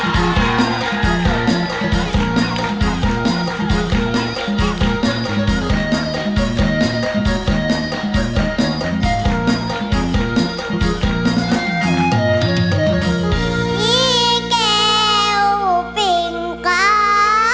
เพลงนี้แก้วปิ่งก๊า